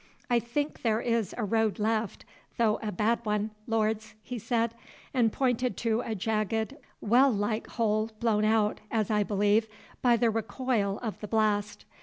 "I think there is a road left, though a bad one, lords," he said, and pointed to a jagged, well like hole blown out, as I believe, by the recoil of the blast.